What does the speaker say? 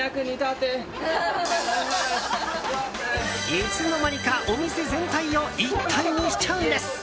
いつの間にかお店全体を一体にしちゃうんです。